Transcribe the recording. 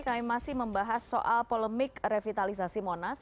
kami masih membahas soal polemik revitalisasi monas